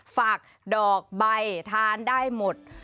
ฝากดอกใบทานได้หมด